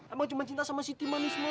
abang cuma cinta sama si timan ismadu